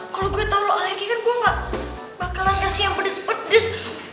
kalo gue tau lo alergi kan gue gak bakalan kasih yang pedes pedes